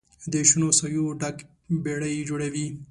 د شنو سایو ډکه بیړۍ جوړوي